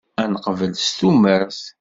Ad neqbel s tumert.